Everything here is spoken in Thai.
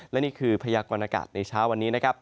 และนี่คือพยากรณากาศในเช้าวันนี้นะครับ